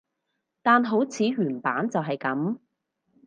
但好似原版就係噉